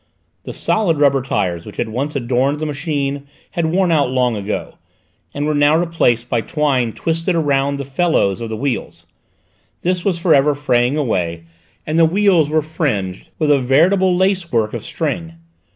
The solid rubber tyres which once had adorned the machine had worn out long ago, and were now replaced by twine twisted round the felloes of the wheels; this was for ever fraying away and the wheels were fringed with a veritable lace work of string.